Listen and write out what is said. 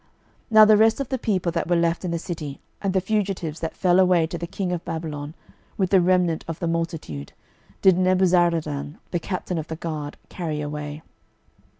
12:025:011 Now the rest of the people that were left in the city, and the fugitives that fell away to the king of Babylon, with the remnant of the multitude, did Nebuzaradan the captain of the guard carry away.